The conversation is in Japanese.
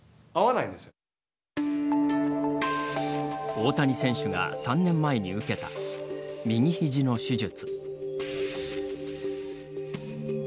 大谷選手が３年前に受けた右肘の手術。